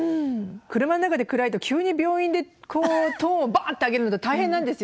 車の中で暗いと急に病院でトーンバッて上げるのって大変なんですよ。